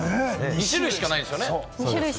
２種類しかないんですよね。